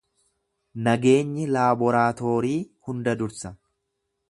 Nageenyi laaboraatoorii hunda dursa.